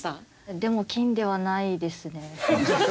でも金ではないですね。